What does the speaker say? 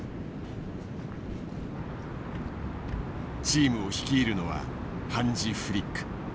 チームを率いるのはハンジ・フリック。